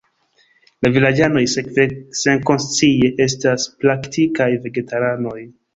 La vilaĝanoj sekve senkonscie estas praktikaj vegetaranoj.